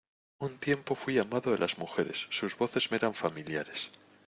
un tiempo fuí amado de las mujeres, sus voces me eran familiares: